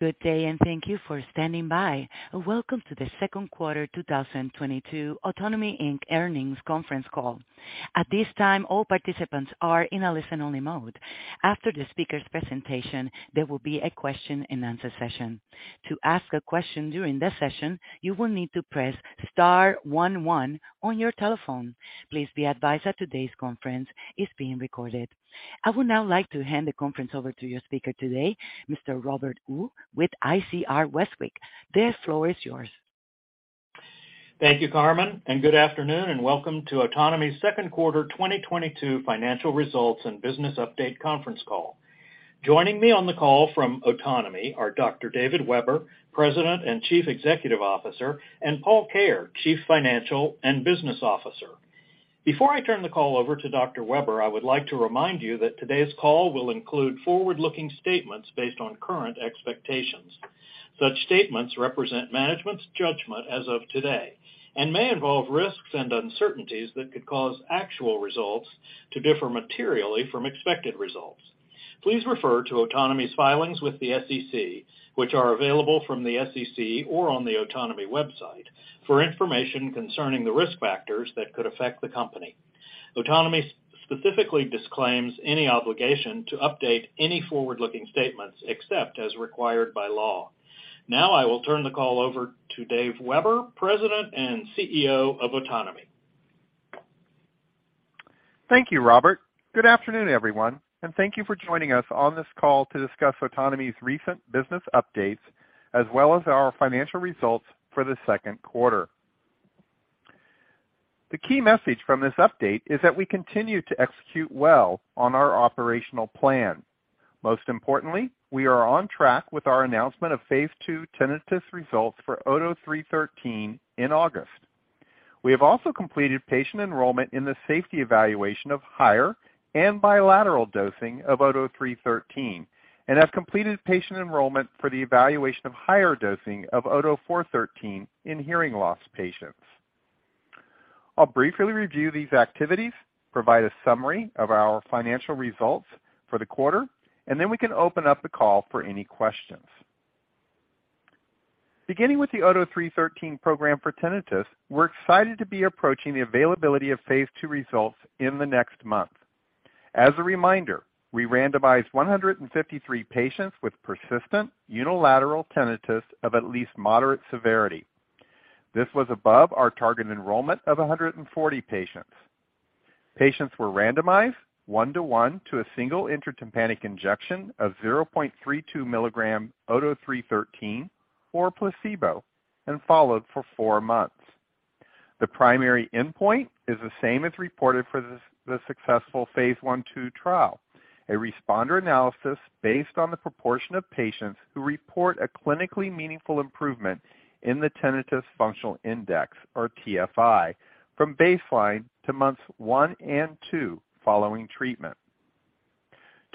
Good day, and thank you for standing by. Welcome to the second quarter 2022 Otonomy, Inc. earnings conference call. At this time, all participants are in a listen-only mode. After the speaker's presentation, there will be a question-and-answer session. To ask a question during this session, you will need to press star one one on your telephone. Please be advised that today's conference is being recorded. I would now like to hand the conference over to your speaker today, Mr. Robert Uhl with ICR Westwicke. The floor is yours. Thank you, Carmen, and good afternoon, and welcome to Otonomy's second quarter 2022 financial results and business update conference call. Joining me on the call from Otonomy are Dr. David A. Weber, President and Chief Executive Officer, and Paul Cayer, Chief Financial and Business Officer. Before I turn the call over to Dr. Weber, I would like to remind you that today's call will include forward-looking statements based on current expectations. Such statements represent management's judgment as of today and may involve risks and uncertainties that could cause actual results to differ materially from expected results. Please refer to Otonomy's filings with the SEC, which are available from the SEC or on the Otonomy website for information concerning the risk factors that could affect the company. Otonomy specifically disclaims any obligation to update any forward-looking statements except as required by law. Now I will turn the call over to Dave Weber, President and CEO of Otonomy. Thank you, Robert. Good afternoon, everyone, and thank you for joining us on this call to discuss Otonomy's recent business updates as well as our financial results for the second quarter. The key message from this update is that we continue to execute well on our operational plan. Most importantly, we are on track with our announcement of phase II tinnitus results for OTO-313 in August. We have also completed patient enrollment in the safety evaluation of higher and bilateral dosing of OTO-313 and have completed patient enrollment for the evaluation of higher dosing of OTO-413 in hearing loss patients. I'll briefly review these activities, provide a summary of our financial results for the quarter, and then we can open up the call for any questions. Beginning with the OTO-313 program for tinnitus, we're excited to be approaching the availability of phase II results in the next month. As a reminder, we randomized 153 patients with persistent unilateral tinnitus of at least moderate severity. This was above our target enrollment of 140 patients. Patients were randomized 1/1 to a single intratympanic injection of 0.32 milligram OTO-313 or placebo and followed for four months. The primary endpoint is the same as reported for the successful phase I/II trial, a responder analysis based on the proportion of patients who report a clinically meaningful improvement in the Tinnitus Functional Index, or TFI, from baseline to months one and two following treatment.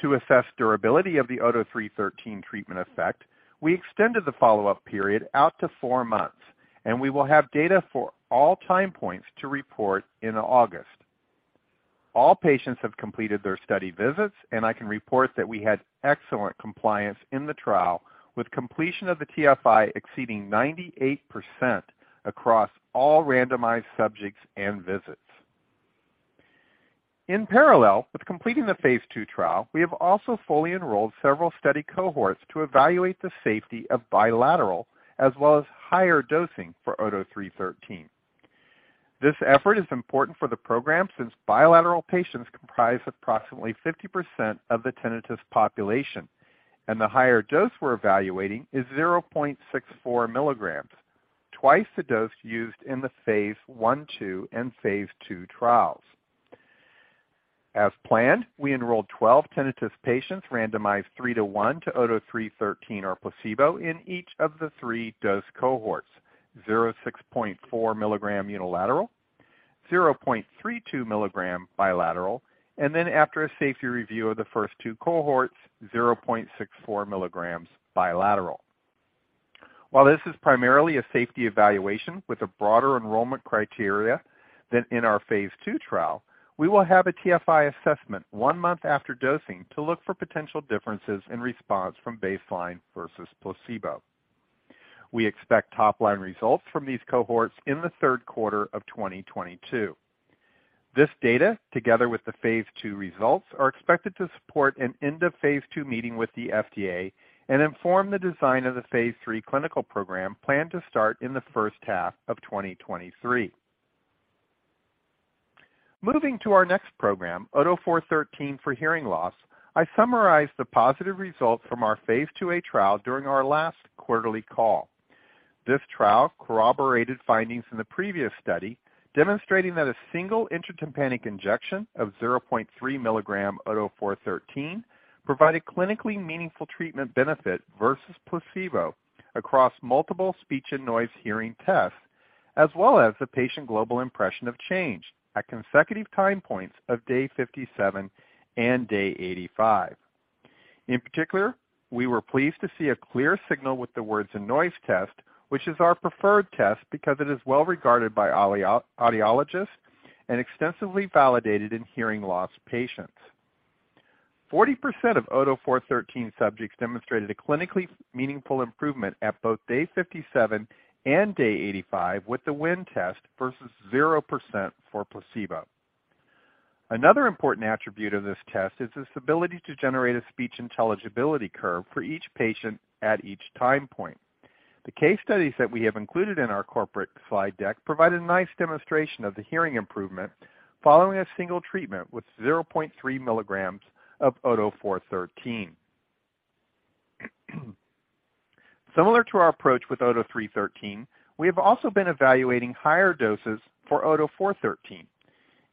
To assess durability of the OTO-313 treatment effect, we extended the follow-up period out to four months, and we will have data for all time points to report in August. All patients have completed their study visits, and I can report that we had excellent compliance in the trial, with completion of the TFI exceeding 98% across all randomized subjects and visits. In parallel with completing the phase II trial, we have also fully enrolled several study cohorts to evaluate the safety of bilateral as well as higher dosing for OTO-313. This effort is important for the program since bilateral patients comprise approximately 50% of the tinnitus population, and the higher dose we're evaluating is 0.64 milligrams, twice the dose used in the phase I/II and phase II trials. As planned, we enrolled 12 tinnitus patients randomized 3/1 to OTO-313 or placebo in each of the three dose cohorts, 0.64 milligram unilateral, 0.32 milligram bilateral, and then after a safety review of the first two cohorts, 0.64 milligrams bilateral. While this is primarily a safety evaluation with a broader enrollment criteria than in our phase II trial, we will have a TFI assessment 1 month after dosing to look for potential differences in response from baseline versus placebo. We expect top-line results from these cohorts in the third quarter of 2022. This data, together with the phase II results, are expected to support an end of phase II meeting with the FDA and inform the design of the phase III clinical program planned to start in the first half of 2023. Moving to our next program, OTO-413 for hearing loss, I summarized the positive results from our phase II a trial during our last quarterly call. This trial corroborated findings from the previous study demonstrating that a single intratympanic injection of 0.3 milligram OTO-413 provided clinically meaningful treatment benefit versus placebo across multiple speech and noise hearing tests, as well as the Patient Global Impression of Change at consecutive time points of day 57 and day 85. In particular, we were pleased to see a clear signal with the Words-in-Noise test, which is our preferred test because it is well regarded by audiologists and extensively validated in hearing loss patients. 40% of OTO-413 subjects demonstrated a clinically meaningful improvement at both day 57 and day 85 with the WIN test versus 0% for placebo. Another important attribute of this test is its ability to generate a speech intelligibility curve for each patient at each time point. The case studies that we have included in our corporate slide deck provide a nice demonstration of the hearing improvement following a single treatment with 0.3 milligrams of OTO-413. Similar to our approach with OTO-313, we have also been evaluating higher doses for OTO-413.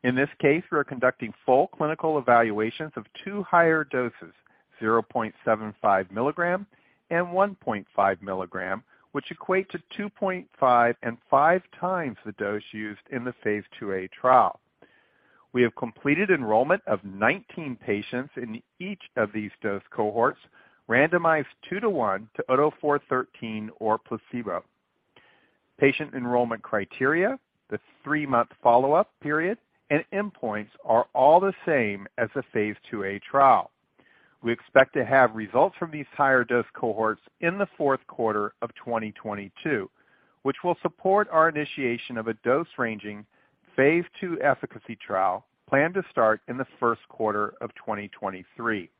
In this case, we are conducting full clinical evaluations of two higher doses, 0.75 milligram and 1.5 milligram, which equate to 2.5 and 5x the dose used in the phase IIa trial. We have completed enrollment of 19 patients in each of these dose cohorts, randomized 2/1 to OTO-413 or placebo. Patient enrollment criteria, the 3-month follow-up period, and endpoints are all the same as the phase IIa trial. We expect to have results from these higher dose cohorts in the fourth quarter of 2022, which will support our initiation of a dose-ranging phase II efficacy trial planned to start in the first quarter of 2023.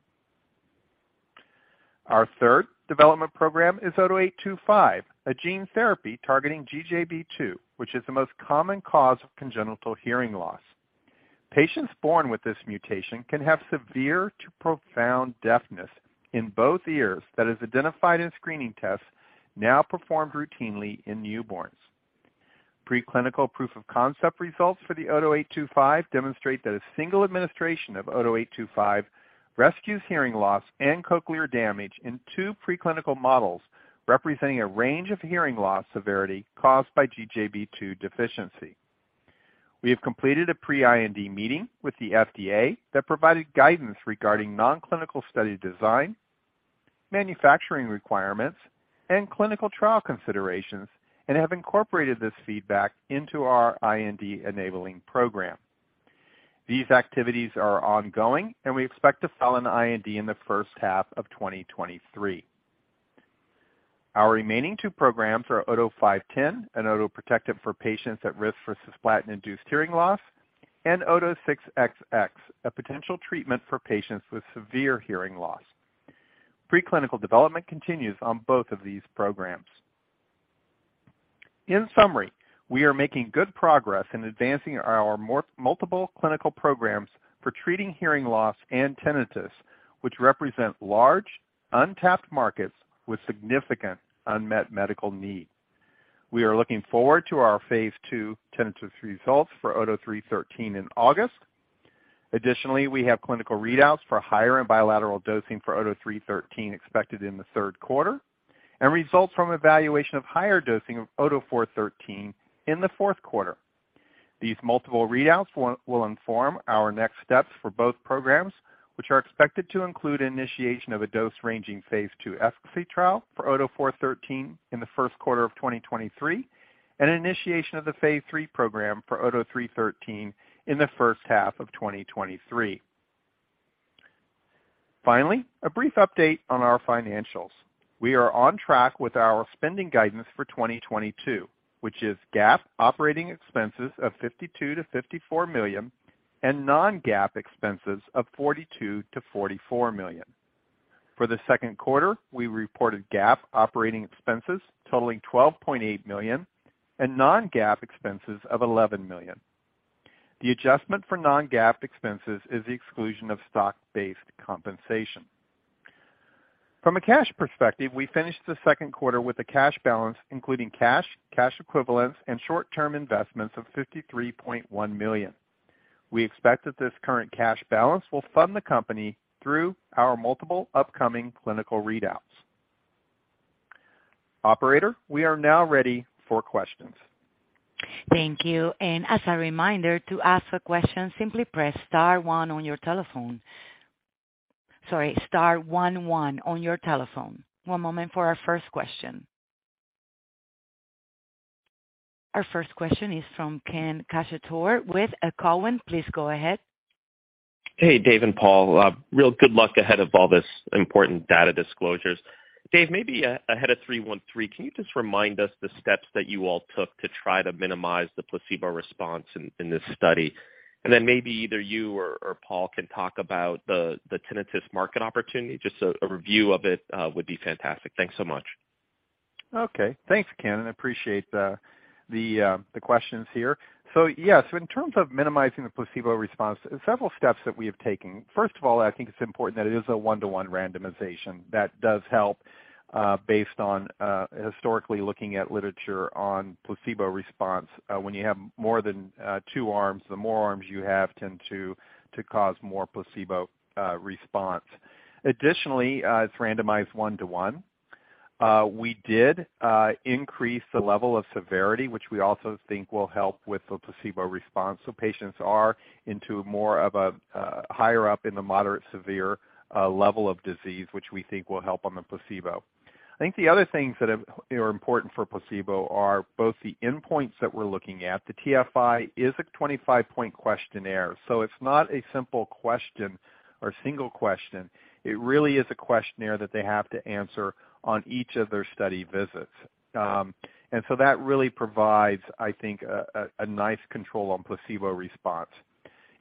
Our third development program is OTO-825, a gene therapy targeting GJB2, which is the most common cause of congenital hearing loss. Patients born with this mutation can have severe to profound deafness in both ears that is identified in screening tests now performed routinely in newborns. Preclinical proof of concept results for the OTO-825 demonstrate that a single administration of OTO-825 rescues hearing loss and cochlear damage in two preclinical models representing a range of hearing loss severity caused by GJB2 deficiency. We have completed a pre-IND meeting with the FDA that provided guidance regarding non-clinical study design, manufacturing requirements, and clinical trial considerations and have incorporated this feedback into our IND-enabling program. These activities are ongoing, and we expect to file an IND in the first half of 2023. Our remaining two programs are OTO-510, an otoprotective for patients at risk for cisplatin-induced hearing loss, and OTO-6XX, a potential treatment for patients with severe hearing loss. Preclinical development continues on both of these programs. In summary, we are making good progress in advancing our multiple clinical programs for treating hearing loss and tinnitus, which represent large untapped markets with significant unmet medical need. We are looking forward to our phase II tinnitus results for OTO-313 in August. Additionally, we have clinical readouts for higher and bilateral dosing for OTO-313 expected in the third quarter and results from evaluation of higher dosing of OTO-413 in the fourth quarter. These multiple readouts will inform our next steps for both programs, which are expected to include initiation of a dose-ranging phase II efficacy trial for OTO-413 in the first quarter of 2023 and initiation of the phase III program for OTO-313 in the first half of 2023. Finally, a brief update on our financials. We are on track with our spending guidance for 2022, which is GAAP operating expenses of $52 to 54 million and non-GAAP expenses of $42 to 44 million. For the second quarter, we reported GAAP operating expenses totaling $12.8 million and non-GAAP expenses of $11 million. The adjustment for non-GAAP expenses is the exclusion of stock-based compensation. From a cash perspective, we finished the second quarter with a cash balance including cash equivalents, and short-term investments of $53.1 million. We expect that this current cash balance will fund the company through our multiple upcoming clinical readouts. Operator, we are now ready for questions. Thank you. As a reminder, to ask a question, simply press star one on your telephone. Sorry, star one one on your telephone. One moment for our first question. Our first question is from Ken Cacciatore with Cowen. Please go ahead. Hey, Dave and Paul. Real good luck ahead of all this important data disclosures. Dave, maybe ahead of 313, can you just remind us the steps that you all took to try to minimize the placebo response in this study? Then maybe either you or Paul can talk about the tinnitus market opportunity. Just a review of it would be fantastic. Thanks so much. Okay. Thanks, Ken. I appreciate the questions here. Yes, in terms of minimizing the placebo response, several steps that we have taken. First of all, I think it's important that it is a one-to-one randomization. That does help, based on, historically looking at literature on placebo response. When you have more than two arms, the more arms you have tend to cause more placebo response. Additionally, it's randomized one to one. We did increase the level of severity, which we also think will help with the placebo response. Patients are into more of a higher up in the moderate severe level of disease, which we think will help on the placebo. I think the other things that are important for placebo are both the endpoints that we're looking at. The TFI is a 25-point questionnaire, so it's not a simple question or single question. It really is a questionnaire that they have to answer on each of their study visits. That really provides, I think, a nice control on placebo response.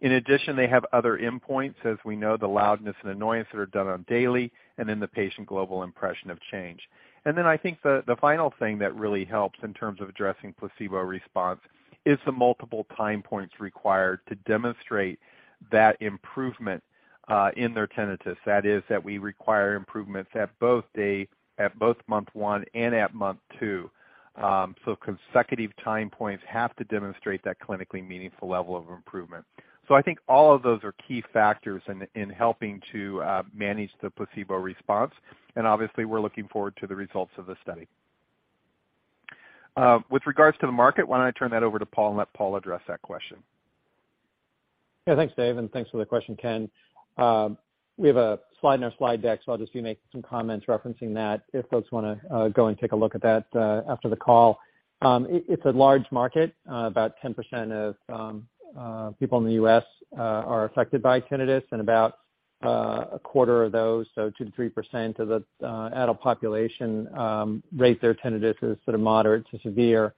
In addition, they have other endpoints, as we know, the loudness and annoyance that are done daily, and then the Patient Global Impression of Change. I think the final thing that really helps in terms of addressing placebo response is the multiple time points required to demonstrate that improvement in their tinnitus. That is, we require improvements at both month 1 and month 2. Consecutive time points have to demonstrate that clinically meaningful level of improvement. I think all of those are key factors in helping to manage the placebo response. Obviously we're looking forward to the results of the study. With regards to the market, why don't I turn that over to Paul and let Paul address that question. Yeah, thanks, Dave, and thanks for the question, Ken. We have a slide in our slide deck, so I'll just be making some comments referencing that if folks wanna go and take a look at that after the call. It's a large market. About 10% of people in the U.S. are affected by tinnitus and about a quarter of those, so 2% to 3% of the adult population rate their tinnitus as sort of moderate to severe.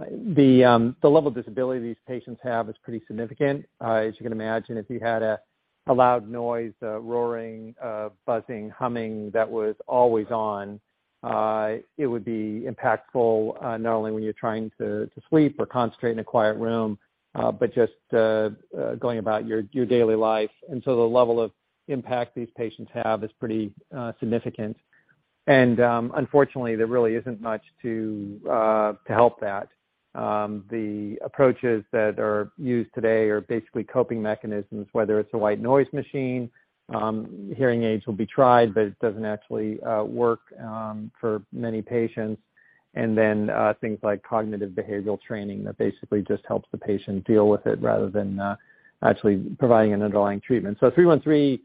The level of disability these patients have is pretty significant. As you can imagine, if you had a loud noise, a roaring, a buzzing, humming that was always on, it would be impactful, not only when you're trying to sleep or concentrate in a quiet room, but just going about your daily life. The level of impact these patients have is pretty significant. Unfortunately, there really isn't much to help that. The approaches that are used today are basically coping mechanisms, whether it's a white noise machine, hearing aids will be tried, but it doesn't actually work for many patients. Things like cognitive behavioral training basically just help the patient deal with it rather than actually providing an underlying treatment. OTO-313,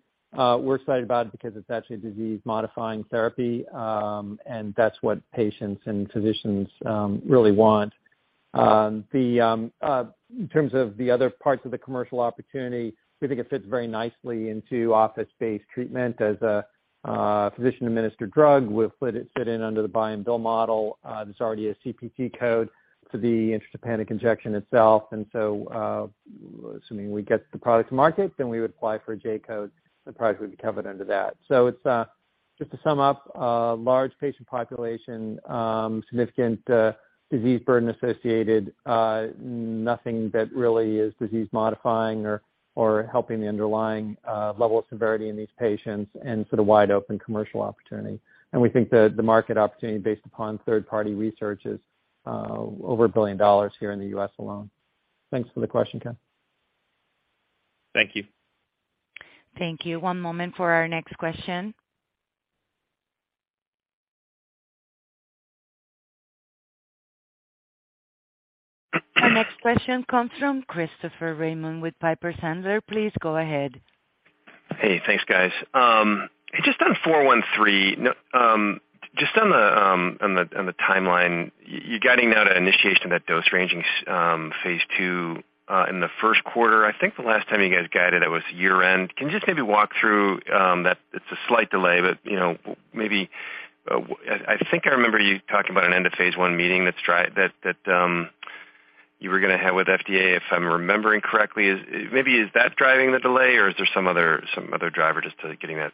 we're excited about it because it's actually a disease modifying therapy, and that's what patients and physicians really want. In terms of the other parts of the commercial opportunity, we think it fits very nicely into office-based treatment as a physician administered drug. We'll fit in under the buy and bill model. There's already a CPT code for the intratympanic injection itself. Assuming we get the product to market, we would apply for a J-code, and the product would be covered under that. It's just to sum up a large patient population, significant disease burden associated, nothing that really is disease modifying or helping the underlying level of severity in these patients and sort of wide open commercial opportunity. We think the market opportunity based upon third-party research is over $1 billion here in the U.S. alone. Thanks for the question, Ken. Thank you. Thank you. One moment for our next question. Our next question comes from Christopher Raymond with Piper Sandler. Please go ahead. Hey, thanks, guys. Just on OTO-413. Just on the timeline. You're guiding now to initiation that dose ranging phase II in the first quarter. I think the last time you guys guided it was year-end. Can you just maybe walk through that it's a slight delay, but you know, maybe I think I remember you talking about an end of phase I meeting that you were gonna have with FDA, if I'm remembering correctly. Maybe is that driving the delay or is there some other driver just to getting that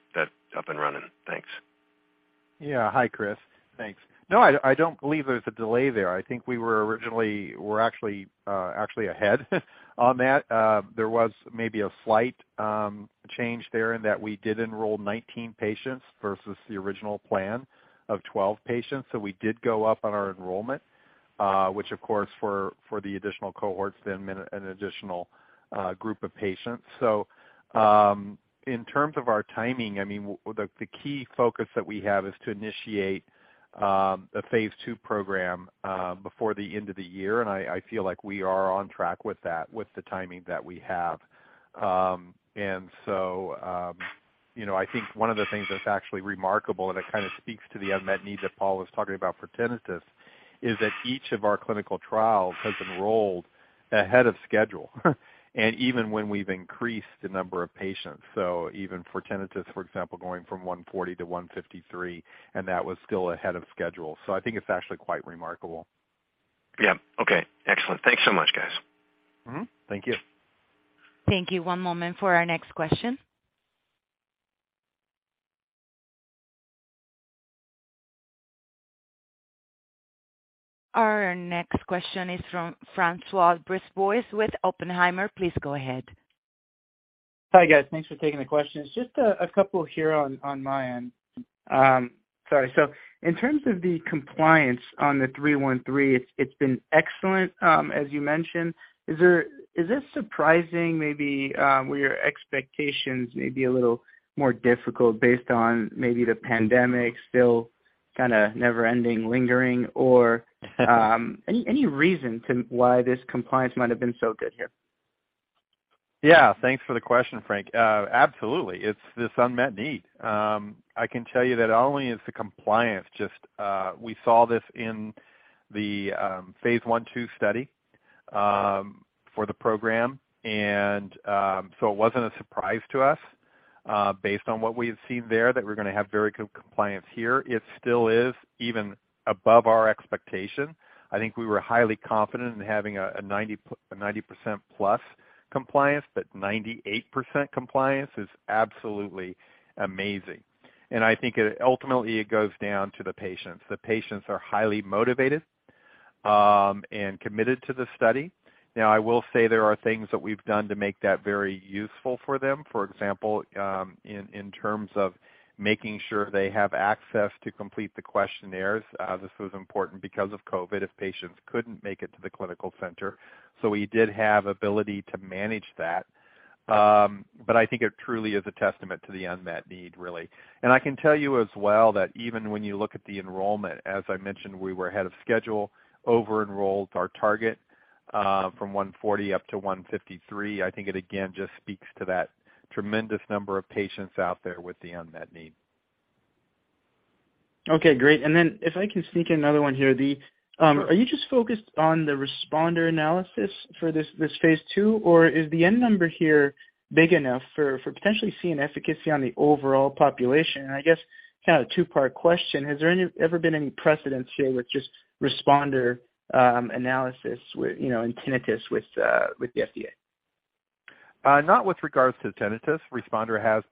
up and running? Thanks. Yeah. Hi, Chris. Thanks. No, I don't believe there's a delay there. I think we're actually ahead on that. There was maybe a slight change there in that we did enroll 19 patients versus the original plan of 12 patients. So we did go up on our enrollment, which of course for the additional cohorts then meant an additional group of patients. In terms of our timing, I mean, the key focus that we have is to initiate a phase II program before the end of the year. I feel like we are on track with that, with the timing that we have. You know, I think one of the things that's actually remarkable and it kind of speaks to the unmet need that Paul was talking about for tinnitus, is that each of our clinical trials has enrolled ahead of schedule, and even when we've increased the number of patients. Even for tinnitus, for example, going from 140 to 153, and that was still ahead of schedule. I think it's actually quite remarkable. Yeah. Okay. Excellent. Thanks so much, guys. Mm-hmm. Thank you. Thank you. One moment for our next question. Our next question is from François Brisebois with Oppenheimer. Please go ahead. Hi, guys. Thanks for taking the questions. Just a couple here on my end. Sorry. In terms of the compliance on the three one three, it's been excellent, as you mentioned. Is this surprising maybe, were your expectations maybe a little more difficult based on maybe the pandemic still kinda never ending lingering or, any reason to why this compliance might have been so good here? Yeah, thanks for the question, Frank. Absolutely. It's this unmet need. I can tell you that not only is the compliance just, we saw this in the phase I/II study for the program. It wasn't a surprise to us based on what we had seen there, that we're gonna have very good compliance here. It still is even above our expectation. I think we were highly confident in having a 90% plus compliance, but 98% compliance is absolutely amazing. I think it ultimately goes down to the patients. The patients are highly motivated and committed to the study. Now, I will say there are things that we've done to make that very useful for them. For example, in terms of making sure they have access to complete the questionnaires. This was important because of COVID, if patients couldn't make it to the clinical center. We did have ability to manage that. I think it truly is a testament to the unmet need, really. I can tell you as well that even when you look at the enrollment, as I mentioned, we were ahead of schedule, over enrolled our target, from 140 up to 153. I think it again, just speaks to that tremendous number of patients out there with the unmet need. Okay, great. If I can sneak another one here. Sure. Are you just focused on the responder analysis for this phase II, or is the end number here big enough for potentially seeing efficacy on the overall population? I guess kind of a two-part question, has there ever been any precedent here with just responder analysis with, you know, in tinnitus with the FDA? Not with regards to the tinnitus. Responder has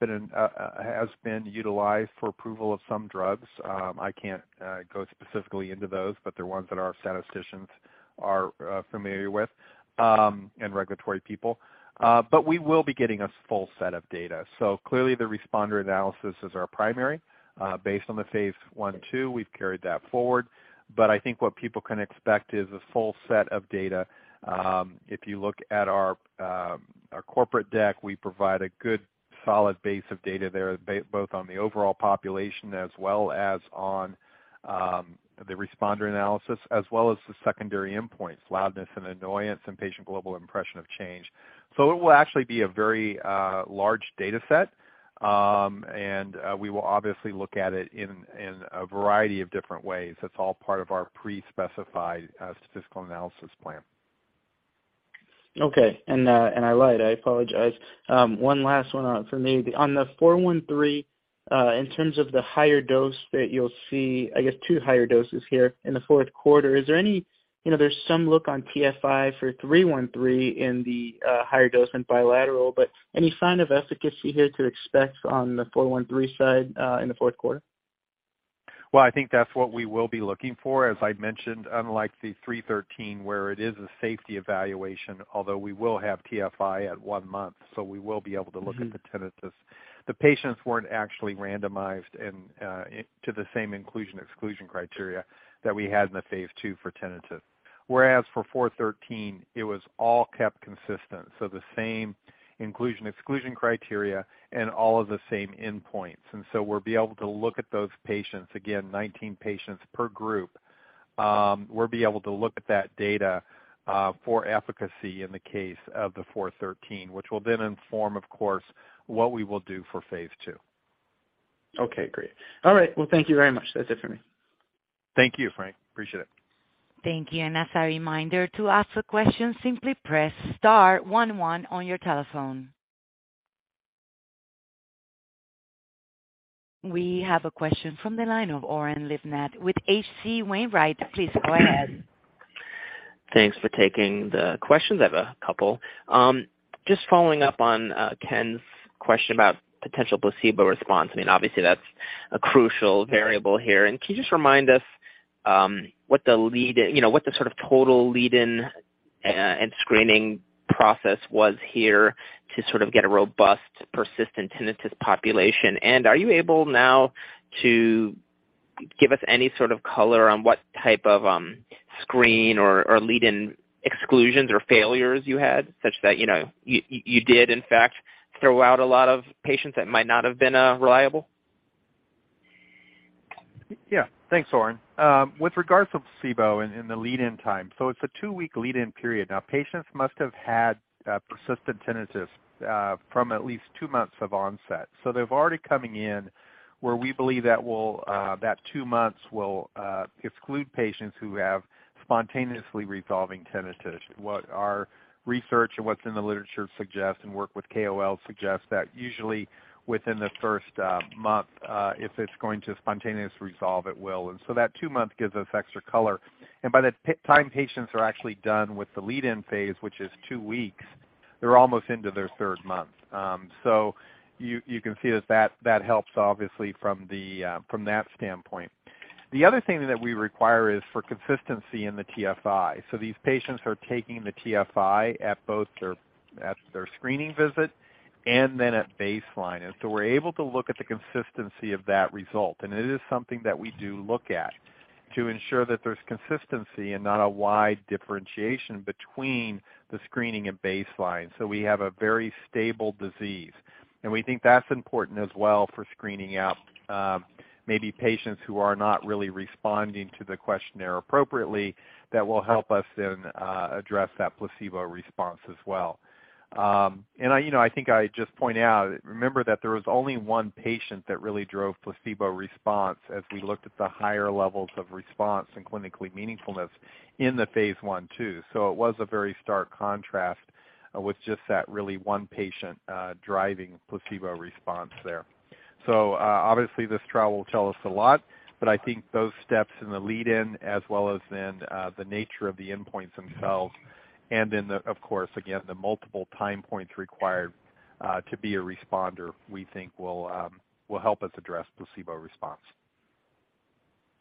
been utilized for approval of some drugs. I can't go specifically into those, but they're ones that our statisticians are familiar with, and regulatory people. We will be getting a full set of data. Clearly the responder analysis is our primary. Based on the phase I/II, we've carried that forward. I think what people can expect is a full set of data. If you look at our corporate deck, we provide a good solid base of data there, both on the overall population as well as on the responder analysis, as well as the secondary endpoints, loudness and annoyance and Patient Global Impression of Change. It will actually be a very large data set. We will obviously look at it in a variety of different ways. That's all part of our pre-specified statistical analysis plan. Okay. I lied, I apologize. One last one for me. On the 413, in terms of the higher dose that you'll see, I guess two higher doses here in the fourth quarter, is there any, you know, there's some look on TFI for 313 in the higher dose and bilateral, but any sign of efficacy here to expect on the 413 side, in the fourth quarter? I think that's what we will be looking for. As I'd mentioned, unlike the three thirteen where it is a safety evaluation, although we will have TFI at one month, so we will be able to look at the tinnitus. The patients weren't actually randomized to the same inclusion, exclusion criteria that we had in the phase II for tinnitus. Whereas for four thirteen it was all kept consistent, so the same inclusion, exclusion criteria and all of the same endpoints. We'll be able to look at those patients, again, 19 patients per group. We'll be able to look at that data for efficacy in the case of the four thirteen, which will then inform, of course, what we will do for phase II. Okay, great. All right. Well, thank you very much. That's it for me. Thank you, Frank. Appreciate it. Thank you. As a reminder to ask a question, simply press star one one on your telephone. We have a question from the line of Oren Livnat with H.C. Wainwright. Please go ahead. Thanks for taking the questions. I have a couple. Just following up on Ken's question about potential placebo response. I mean, obviously that's a crucial variable here. Can you just remind us what the sort of total lead in and screening process was here to sort of get a robust persistent tinnitus population? Are you able now to give us any sort of color on what type of screen or lead in exclusions or failures you had such that you did in fact throw out a lot of patients that might not have been reliable? Yeah. Thanks, Oren. With regards to placebo and the lead-in time, it's a two-week lead-in period. Now, patients must have had persistent tinnitus from at least two months of onset. They're already coming in where we believe that two months will exclude patients who have spontaneously resolving tinnitus. What our research and what's in the literature suggests and work with KOLs suggests that usually within the first month, if it's going to spontaneously resolve, it will. That two-month gives us extra color. By the time patients are actually done with the lead-in phase, which is two weeks, they're almost into their third month. You can see that helps obviously from that standpoint. The other thing that we require is for consistency in the TFI. These patients are taking the TFI at both their screening visit and then at baseline. We're able to look at the consistency of that result. It is something that we do look at to ensure that there's consistency and not a wide differentiation between the screening and baseline. We have a very stable disease. We think that's important as well for screening out, maybe patients who are not really responding to the questionnaire appropriately. That will help us then address that placebo response as well. You know, I think I just point out, remember that there was only one patient that really drove placebo response as we looked at the higher levels of response and clinically meaningfulness in the phase I/II. It was a very stark contrast with just that really one patient driving placebo response there. Obviously, this trial will tell us a lot, but I think those steps in the lead in as well as then the nature of the endpoints themselves and then the, of course, again, the multiple time points required to be a responder, we think will help us address placebo response.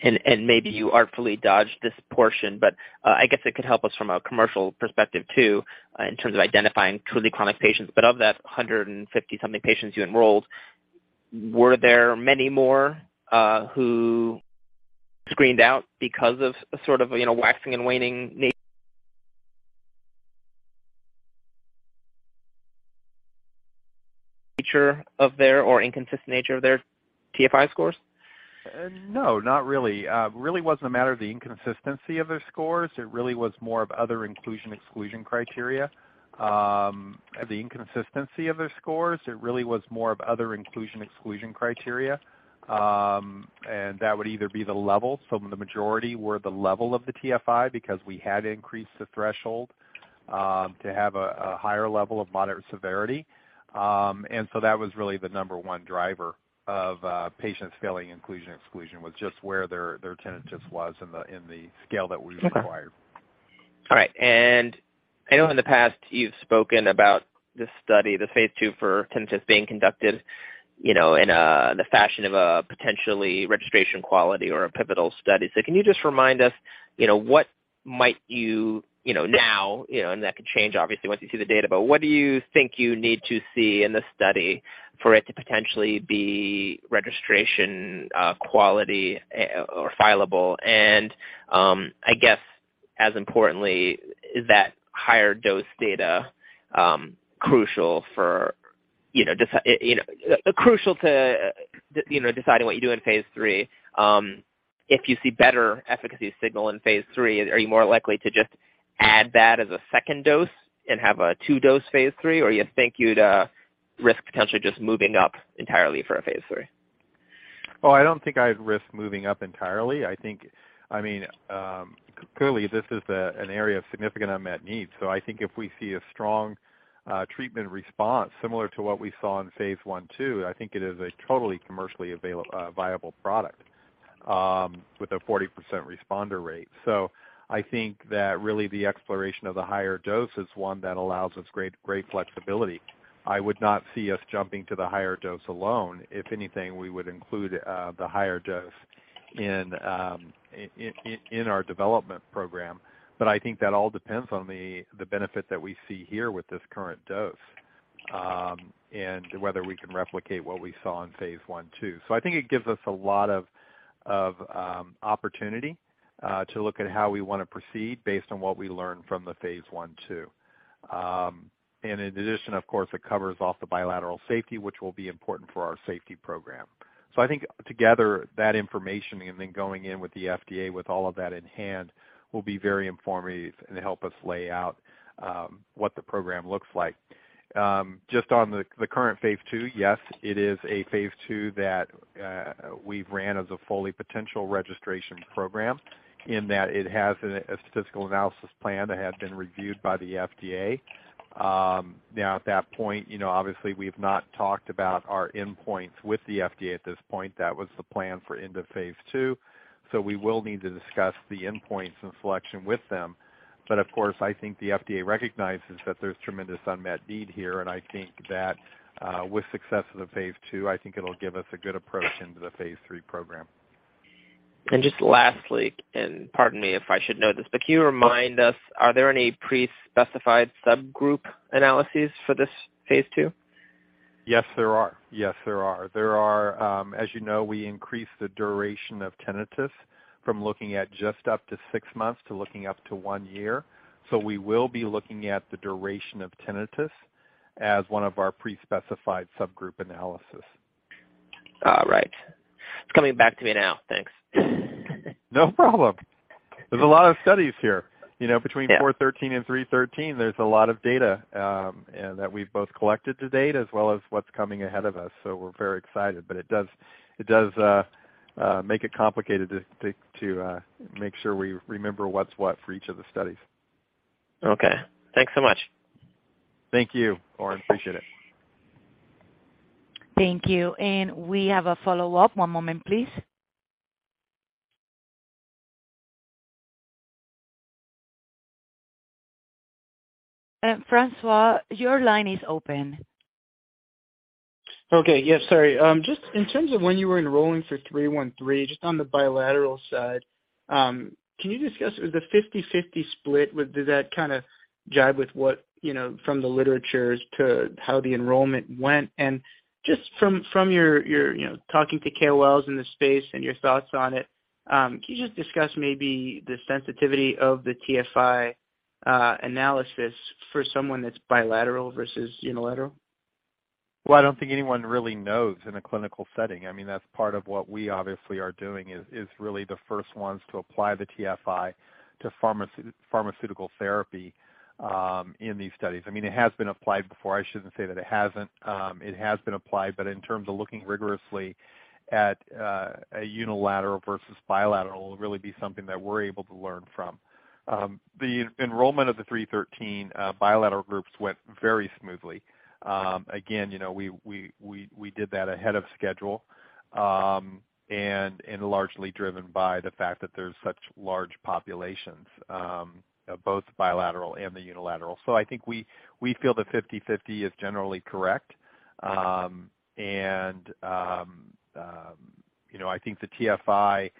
Maybe you artfully dodged this portion, but I guess it could help us from a commercial perspective, too, in terms of identifying truly chronic patients. Of that 150-something patients you enrolled, were there many more who screened out because of sort of, you know, waxing and waning nature of their tinnitus or inconsistent nature of their TFI scores? No, not really. Really wasn't a matter of the inconsistency of their scores. It really was more of other inclusion, exclusion criteria. The inconsistency of their scores, it really was more of other inclusion, exclusion criteria, and that would either be the level. The majority were the level of the TFI because we had increased the threshold to have a higher level of moderate severity. That was really the number one driver of patients failing inclusion, exclusion, was just where their tinnitus was in the scale that we required. Okay. All right. I know in the past you've spoken about this study, the phase II for tinnitus being conducted, you know, in the fashion of a potentially registration quality or a pivotal study. Can you just remind us, you know, what you might, you know, now, you know, and that could change obviously once you see the data, but what do you think you need to see in the study for it to potentially be registration quality or fileable? I guess as importantly, is that higher dose data crucial to deciding what you do in phase III? If you see better efficacy signal in phase III, are you more likely to just add that as a second dose and have a two-dose phase III, or you think you'd risk potentially just moving up entirely for a phase III? I don't think I'd risk moving up entirely. I think, I mean, clearly this is an area of significant unmet need. I think if we see a strong treatment response similar to what we saw in phase I/II, I think it is a totally commercially viable product with a 40% responder rate. I think that really the exploration of the higher dose is one that allows us great flexibility. I would not see us jumping to the higher dose alone. If anything, we would include the higher dose in our development program. I think that all depends on the benefit that we see here with this current dose and whether we can replicate what we saw in phase I/II. I think it gives us a lot of opportunity to look at how we wanna proceed based on what we learn from the phase I/II. In addition, of course, it covers off the bilateral safety, which will be important for our safety program. I think together that information and then going in with the FDA with all of that in hand will be very informative and help us lay out what the program looks like. Just on the current phase II, yes, it is a phase II that we've ran as a full potential registration program in that it has a statistical analysis plan that had been reviewed by the FDA. Now at that point, you know, obviously we've not talked about our endpoints with the FDA at this point. That was the plan for end of phase II. We will need to discuss the endpoints and selection with them. Of course, I think the FDA recognizes that there's tremendous unmet need here, and I think that, with success of the phase II, I think it'll give us a good approach into the phase III program. Just lastly, and pardon me if I should know this, but can you remind us, are there any pre-specified subgroup analyses for this phase II? Yes, there are, as you know, we increased the duration of tinnitus from looking at just up to six months to looking up to one year. We will be looking at the duration of tinnitus as one of our pre-specified subgroup analysis. All right. It's coming back to me now. Thanks. No problem. There's a lot of studies here. Yeah. You know, between OTO-413 and OTO-313, there's a lot of data, and that we've both collected to date as well as what's coming ahead of us, so we're very excited. It does make it complicated to make sure we remember what's what for each of the studies. Okay. Thanks so much. Thank you, Oren. Appreciate it. Thank you. We have a follow-up. One moment please. François, your line is open. Okay. Yes, sorry. Just in terms of when you were enrolling for 313, just on the bilateral side, can you discuss the 50/50 split? Would that kind of jibe with what, you know, from the literature to how the enrollment went? Just from your, you know, talking to KOLs in the space and your thoughts on it, can you just discuss maybe the sensitivity of the TFI analysis for someone that's bilateral versus unilateral. Well, I don't think anyone really knows in a clinical setting. I mean, that's part of what we obviously are doing is really the first ones to apply the TFI to pharmaceutical therapy in these studies. I mean, it has been applied before. I shouldn't say that it hasn't. It has been applied, but in terms of looking rigorously at a unilateral versus bilateral, it will really be something that we're able to learn from. The enrollment of the 313 bilateral groups went very smoothly. Again, you know, we did that ahead of schedule and largely driven by the fact that there's such large populations both bilateral and the unilateral. I think we feel the 50/50 is generally correct. You know, I think the TFI,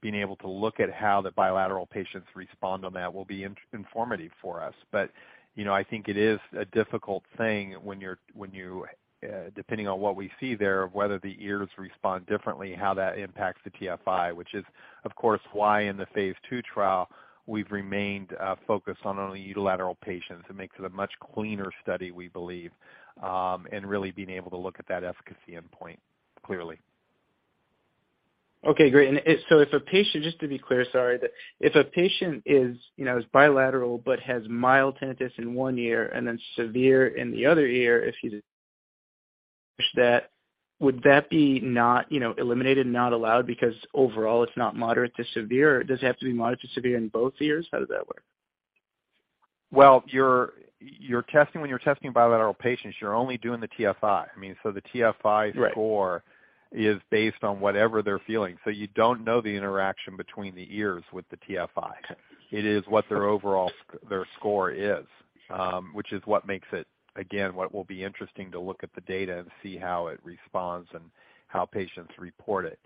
being able to look at how the bilateral patients respond on that will be informative for us. But, you know, I think it is a difficult thing when you, depending on what we see there, whether the ears respond differently, how that impacts the TFI, which is of course why in the phase II trial we've remained focused on only unilateral patients. It makes it a much cleaner study, we believe, and really being able to look at that efficacy endpoint clearly. Okay, great. Just to be clear, sorry. If a patient is, you know, bilateral but has mild tinnitus in one ear and then severe in the other ear, if it's just that, would that be not, you know, eliminated, not allowed because overall it's not moderate to severe? Or does it have to be moderate to severe in both ears? How does that work? Well, when you're testing bilateral patients, you're only doing the TFI. I mean, so the TFI. Right. The score is based on whatever they're feeling. You don't know the interaction between the ears with the TFI. Okay. It is what their overall score is, which is what makes it again, what will be interesting to look at the data and see how it responds and how patients report it.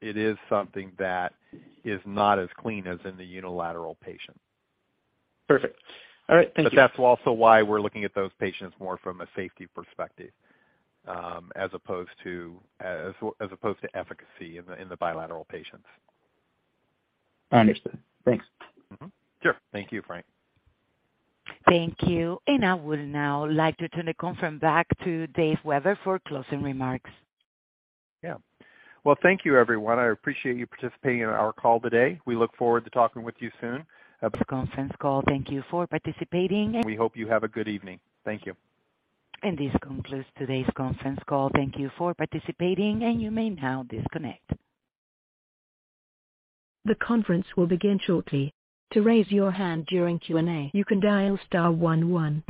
It is something that is not as clean as in the unilateral patient. Perfect. All right. Thank you. That's also why we're looking at those patients more from a safety perspective, as opposed to efficacy in the bilateral patients. Understood. Thanks. Sure. Thank you, Frank. Thank you. I would now like to turn the conference back to Dave Weber for closing remarks. Yeah. Well, thank you everyone. I appreciate you participating in our call today. We look forward to talking with you soon about. This conference call. Thank you for participating. We hope you have a good evening. Thank you. This concludes today's conference call. Thank you for participating, and you may now disconnect. The conference will begin shortly. To raise your hand during Q&A, you can dial star one one.